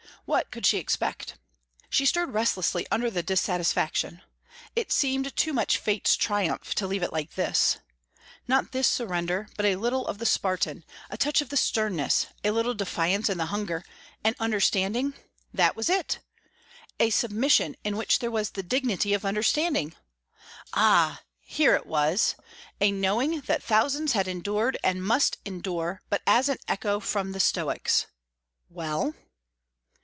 What could she expect? She stirred restlessly under the dissatisfaction. It seemed too much fate's triumph to leave it like this. Not this surrender, but a little of the Spartan, a touch of sternness, a little defiance in the hunger, an understanding that was it! a submission in which there was the dignity of understanding. Ah here it was! a knowing that thousands had endured and must endure, but as an echo from the Stoics "Well?"